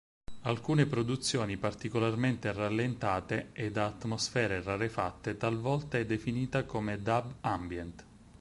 Alcune produzioni particolarmente rallentate e da atmosfere rarefatte talvolta è definita come dub ambient.